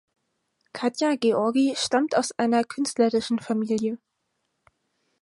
Katja Georgi stammt aus einer künstlerischen Familie.